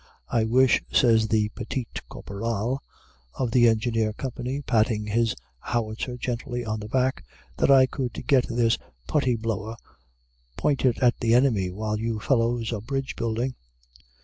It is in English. "I wish," says the petit caporal of the Engineer Company, patting his howitzer gently on the back, "that I could get this Putty Blower pointed at the enemy, while you fellows are bridge building."